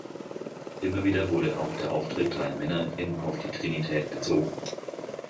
Immer wieder wurde auch der Auftritt dreier Männer in auf die Trinität bezogen.